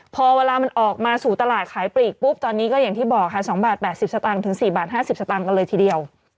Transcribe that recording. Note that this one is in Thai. พอเวลามันออกมาสู่ตลาดขายปลีกปุ๊บตอนนี้ก็อย่างที่บอกค่ะ๒บาท๘๐สตางค์ถึง๔บาท๕๐สตางค์กันเลยทีเดียว